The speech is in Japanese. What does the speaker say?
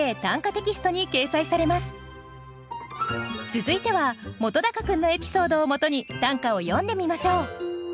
続いては本君のエピソードをもとに短歌を詠んでみましょう。